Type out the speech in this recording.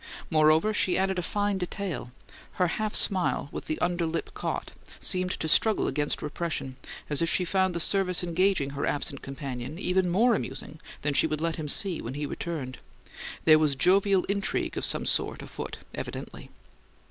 Moreover, she added a fine detail: her half smile, with the under lip caught, seemed to struggle against repression, as if she found the service engaging her absent companion even more amusing than she would let him see when he returned: there was jovial intrigue of some sort afoot, evidently.